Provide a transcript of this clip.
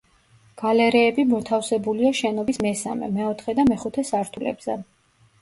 გალერეები მოთავსებულია შენობის მესამე, მეოთხე და მეხუთე სართულებზე.